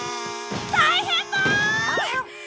大変だ！